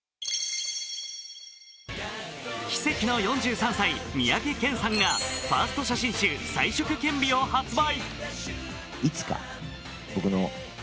奇跡の４３歳、三宅健さんがファースト写真集「才色健美」を発売。